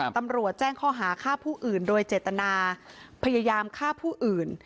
ตำรวจแจ้งข้อหาฆ่าผู้อื่นโดยเจตนาพยายามฆ่าผู้อื่น